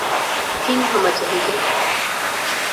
ހިތްހަމަ ޖެހިގެން